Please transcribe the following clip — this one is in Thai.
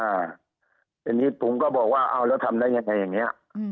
อันนี้ผมก็บอกว่าเอาแล้วทำได้ยังไงอย่างนี้